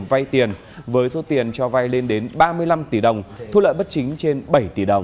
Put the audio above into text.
vay tiền với số tiền cho vay lên đến ba mươi năm tỷ đồng thu lợi bất chính trên bảy tỷ đồng